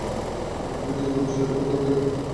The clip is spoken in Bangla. আমি যদি জীবনে সুযোগ পাই তবে, আমি এটা অর্জন করতে চাইব।